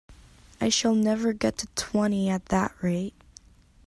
I shall never get to twenty at that rate!